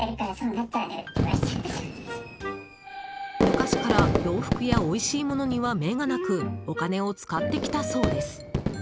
昔から洋服やおいしいものには目がなくお金を使ってきたそうです。